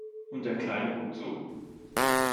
Und der Kleine guckt zu.